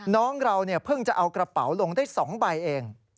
น้องเราเพิ่งจะเอากระเป๋าลงได้๒ใบเอง